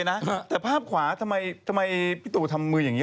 นี่เห็นไหมล่ะบอกมานั่นไง